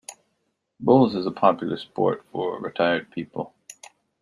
Bowls is a popular sport for retired people